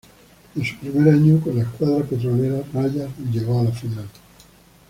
En su primer año con la escuadra petrolera, Rayas llegó a la final.